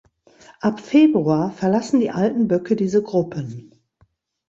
Ab Februar verlassen die alten Böcke diese Gruppen.